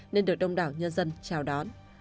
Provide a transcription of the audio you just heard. nên được đông đảo nhân dân chào đón